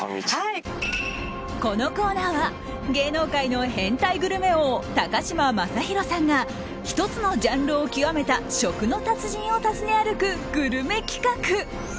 このコーナーは芸能界の変態グルメ王高嶋政宏さんが１つのジャンルを極めた食の達人を訪ね歩くグルメ企画。